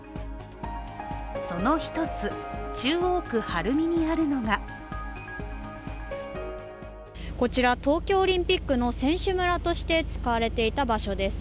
その１つ、中央区晴海にあるのがこちら、東京オリンピックの選手村として使われていた場所です。